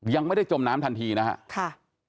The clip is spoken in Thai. ยังไม่ได้จมน้ำทันทีนะครับ